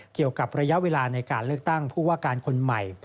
เกี่ยวกับระยะเวลาในการเลือกตั้งผู้ว่าการคนใหม่